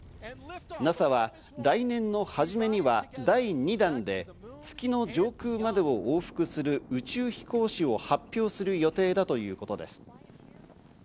ＮＡＳＡは来年の初めには第２弾で月の上空までを往復する宇宙飛行士を発表する予定だということです。